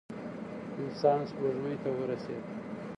انسان سپوږمۍ ته ورسېد.